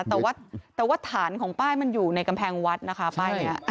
แต่ว่าฐานของป้ายมันอยู่ในกำแพงวัดนะคะป้ายนี้